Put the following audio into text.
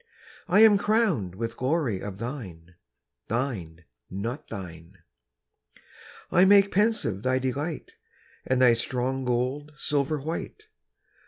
I am crowned with glory of thine. Thine, not thine. I make pensive thy delight, And thy strong gold silver white.